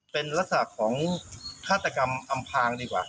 เป็นลักษณะของฆาตกรรมอำพางดีกว่า